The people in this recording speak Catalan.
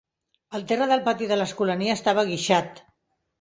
El terra del pati de l'Escolania estava guixat.